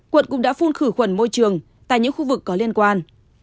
quận cũng đã phun khử khuẩn môi trường tại những khu vực có liên quan